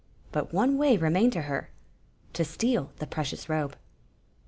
But one way remained to her — to steal the [»reci<Mis robe.